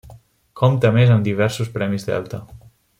Compta a més, amb diversos premis Delta.